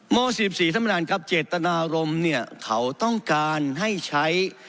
๑๔๔ท่านประธานครับเจตนารมณ์เนี่ยเขาต้องการให้ใช้